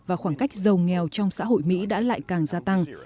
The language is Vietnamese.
và khoảng cách giàu nghèo trong xã hội mỹ đã lại càng gia tăng